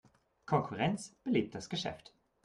Konkurrenz belebt das Geschäft.